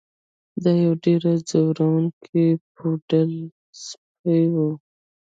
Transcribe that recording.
دا یو ډیر ځورونکی پوډل سپی و